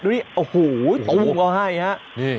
ดูนี่โอ้โหมุมเขาให้